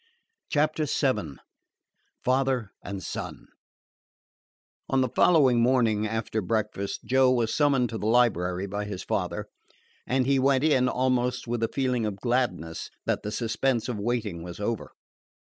CHAPTER VII FATHER AND SON On the following morning, after breakfast, Joe was summoned to the library by his father, and he went in almost with a feeling of gladness that the suspense of waiting was over.